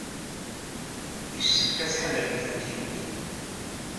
Yessefk ad tḥadremt amtiweg.